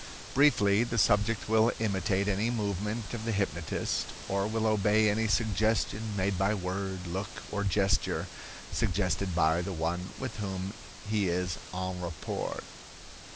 Briefly, the subject will imitate any movement of the hypnotist, or will obey any suggestion made by word, look or gesture, suggested by the one with whom he is en rapport.